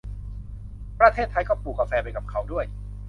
ประเทศไทยก็ปลูกกาแฟไปกับเขาด้วย